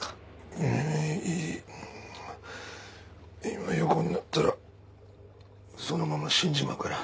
今横になったらそのまま死んじまうから。